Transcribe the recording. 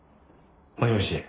もしもし？